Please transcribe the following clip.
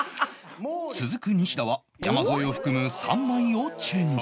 続く西田は山添を含む３枚をチェンジ